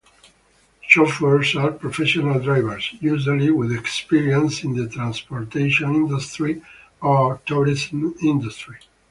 Chauffeurs are professional drivers, usually with experience in the transportation industry or tourism industry.